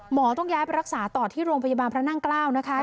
ต้องย้ายไปรักษาต่อที่โรงพยาบาลพระนั่งเกล้านะคะ